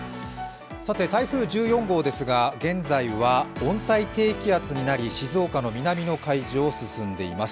さて台風１４号ですが、現在は温帯低気圧になり、静岡の南の海上を進んでいます。